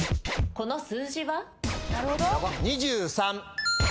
この数字は？